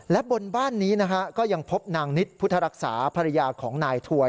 และบนบ้านนี้นะฮะก็ยังพบนางนิดพุทธรักษาภรรยาของนายถวย